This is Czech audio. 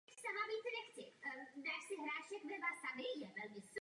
Stala se tak historicky nejnavštěvovanější výstavou fotografií na světě.